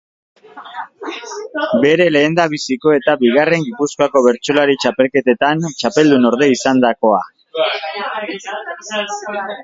Bere lehendabiziko eta bigarren Gipuzkoako Bertsolari Txapelketetan txapeldunorde izandakoa.